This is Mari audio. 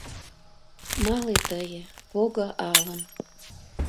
Мале тые, пого алым